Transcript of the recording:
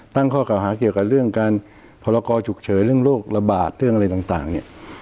ตั้งข้อเก่าหาเกี่ยวกับเรื่องการพรกรฉุกเฉินเรื่องโรคระบาดเรื่องอะไรต่างเนี่ย